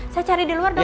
saya cari di luar dong